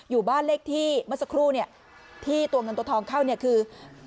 อยู่บ้านเลขที่เมื่อสักครู่เนี่ยที่ตัวเงินตัวทองเข้าเนี่ยคือ